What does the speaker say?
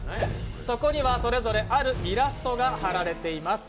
そこにはそれぞれあるイラストが貼られています。